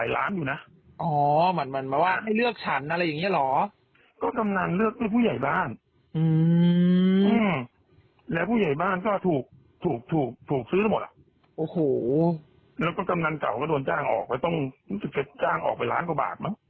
แล้วก็กำนันเก่าก็โดนจ้างออกแล้วต้องรู้สึกจะจ้างออกไปล้านกว่าบาทมั้ง